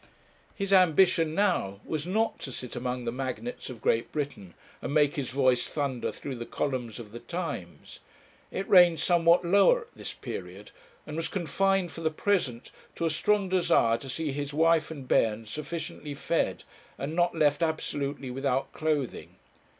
His ambition now was not to sit among the magnates of Great Britain, and make his voice thunder through the columns of the Times; it ranged somewhat lower at this period, and was confined for the present to a strong desire to see his wife and bairns sufficiently fed, and not left absolutely without clothing.